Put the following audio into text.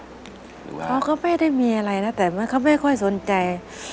เขาก็ไม่ได้มีอะไรนะแต่เขาไม่ค่อยสนใจ